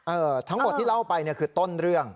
เออทั้งหมดที่เล่าไปคือต้นเรื่อง